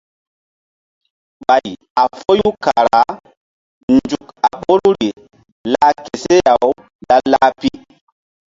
Ɓay a foyu kara nzuk a ɓoruri lah ke seh-aw la-lah pi.